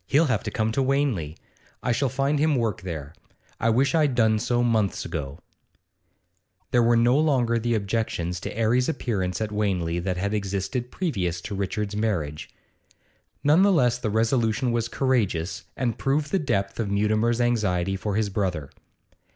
'He'll have to come to Wanley. I shall find him work there I wish I'd done so months ago.' There were no longer the objections to 'Arry's appearance at Wanley that had existed previous to Richard's marriage; none the less the resolution was courageous, and proved the depth of Mutimer's anxiety for his brother.